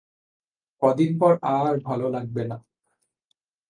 কদিন পর আর ভালো লাগবে না।